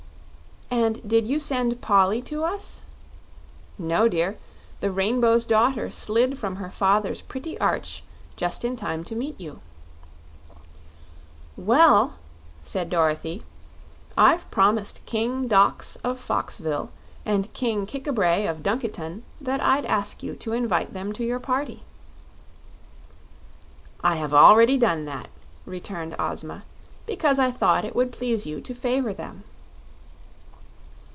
"And did you send Polly to us?" "No, dear; the Rainbow's Daughter slid from her father's pretty arch just in time to meet you." "Well," said Dorothy, "I've promised King Dox of Foxville and King Kik a bray of Dunkiton that I'd ask you to invite them to your party." "I have already done that," returned Ozma, "because I thought it would please you to favor them."